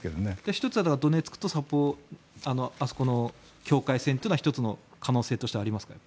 １つはドネツクとあそこの境界線というのは１つの可能性としてはありますかね。